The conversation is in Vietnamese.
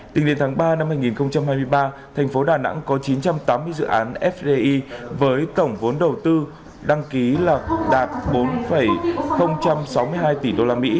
tính đến tháng ba năm hai nghìn hai mươi ba thành phố đà nẵng có chín trăm tám mươi dự án fdi với tổng vốn đầu tư đăng ký là đạt bốn sáu mươi hai tỷ usd